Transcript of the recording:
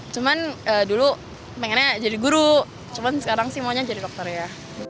cuman dulu pengennya jadi guru cuman sekarang sih maunya jadi dokter ya